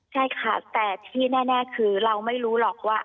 ใช่ค่ะแต่ที่แน่คือเราไม่รู้หรอกว่า